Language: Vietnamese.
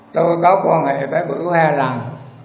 tôi có quan hệ với bữa hè làm